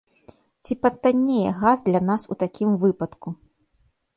Ці патаннее газ для нас у такім выпадку?